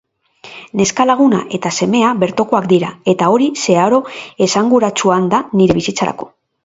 Neska-laguna eta semea bertokoak dira, eta hori zeharo esanguratsuan da nire bizitzarako.